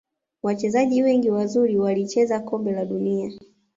Wachezaji wengi wazuri walicheza kombe la dunia